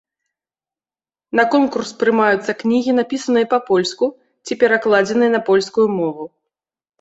На конкурс прымаюцца кнігі, напісаныя па-польску ці перакладзеныя на польскую мову.